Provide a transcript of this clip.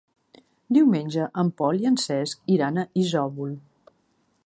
Diumenge en Pol i en Cesc iran a Isòvol.